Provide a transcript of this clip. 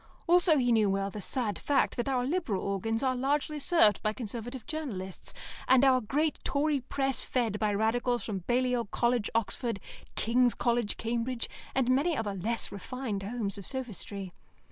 Also he knew well the sad fact that our Liberal organs are largely served by Conservative journalists, and our great Tory press fed by Radicals from Balliol College, Oxford, King's College, Cambridge, and many other less refined homes of sophistry.